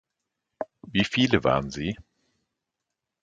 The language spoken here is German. Wie viele waren sie?